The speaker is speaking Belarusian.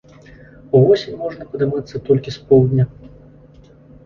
Увосень можна падымацца толькі з поўдня.